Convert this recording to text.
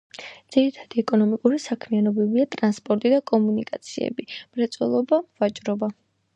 ძირითადი ეკონომიკური საქმიანობებია ტრანსპორტი და კომუნიკაციები, მრეწველობა, ვაჭრობა.